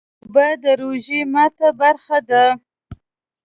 اوبه د روژې ماتی برخه ده